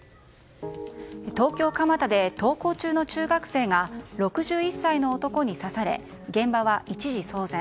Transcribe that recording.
東京・蒲田で登校中の中学生が６１歳の男に刺され現場は一時、騒然。